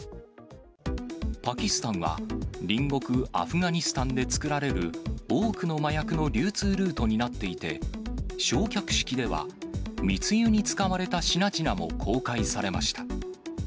パキスタンは、隣国アフガニスタンで作られる多くの麻薬の流通ルートになっていて、焼却式では、密輸に使われた品々も公開されました。